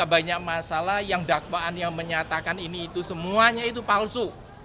banyak masalah yang dakwaan yang menyatakan ini itu semuanya itu palsu